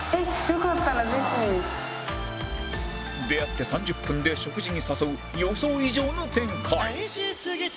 出会って３０分で食事に誘う予想以上の展開